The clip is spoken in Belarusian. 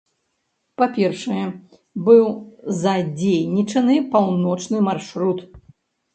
Па-першае, быў задзейнічаны паўночны маршрут.